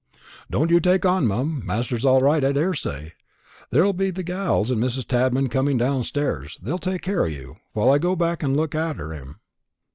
"Don't you take on, mum; master's all right, I daresay. Here be the gals and Mrs. Tadman coming downstairs; they'll take care o' you, while I go and look arter him.